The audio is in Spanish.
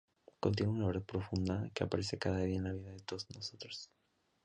Contiene una verdad profunda que aparece cada día en la vida de todos nosotros.